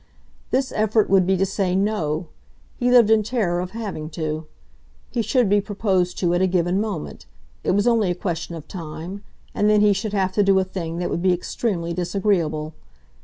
This effort would be to say No he lived in terror of having to. He should be proposed to at a given moment it was only a question of time and then he should have to do a thing that would be extremely disagreeable.